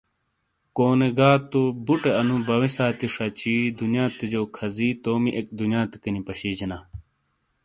کونے گا تو گہ بُٹے اَنُو بَویےسانتی شچی دُنیاتے جو کھزی تومی اِک دنیاتیکینی پَشی جینا